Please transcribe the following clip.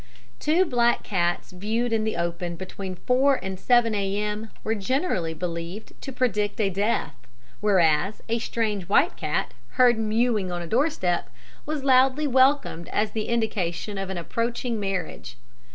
Two black cats viewed in the open between 4 and 7 a.m. were generally believed to predict a death; whereas a strange white cat, heard mewing on a doorstep, was loudly welcomed as the indication of an approaching marriage.